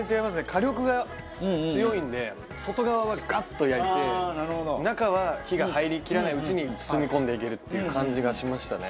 火力が強いんで外側はガッと焼いて中は火が入りきらないうちに包みこんでいけるっていう感じがしましたね。